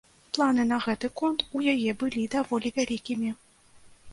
Планы на гэты конт у яе былі даволі вялікімі.